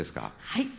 はい。